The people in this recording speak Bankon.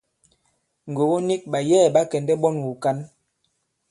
Ŋgògo nik, ɓàyɛ̌ɛ̀ ɓa kɛ̀ndɛ̀ ɓɔn wùkǎn.